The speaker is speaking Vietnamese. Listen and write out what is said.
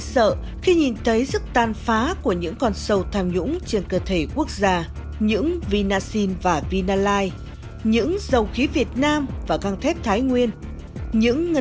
xin chào và hẹn gặp lại trong các video tiếp theo